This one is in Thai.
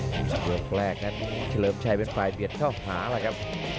ช่วงแรกนั้นเฉลิมชัยเป็นฝ่ายเบียดเข้าผักครับ